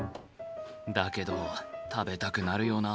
だけど食べたくなるよな。